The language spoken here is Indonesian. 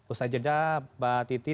ustaz jeddah mbak titi